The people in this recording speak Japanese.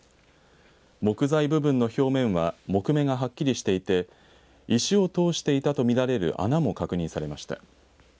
木材部分の表面は木目がはっきりしていて石を通していたとみられる穴も確認されました。